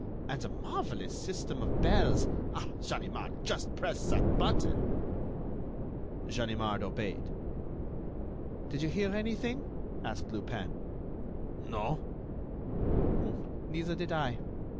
And the marvellous system of bells! Ah! Ganimard, just press that button!" Ganimard obeyed. "Did you hear anything?" asked Lupin. "No." "Neither did I.